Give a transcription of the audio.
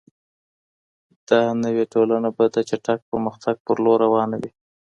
دا نوې ټولنه به د چټک پرمختګ په لور روانه وي.